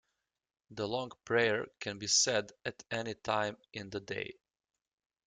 The long prayer can be said at any time in the day.